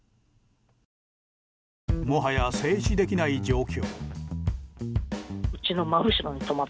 もはや正視できない状況。